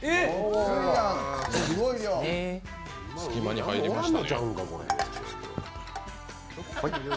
隙間に入りましたね。